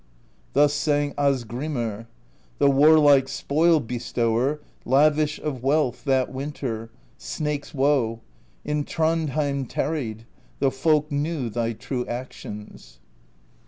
Thus sang Asgrimr: The warlike Spoil Bestower, Lavish of Wealth, that winter — Snake's Woe — in Thrandheim tarried; The folk knew thy true actions.